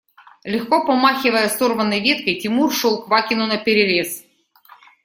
Легко помахивая сорванной веткой, Тимур шел Квакину наперерез.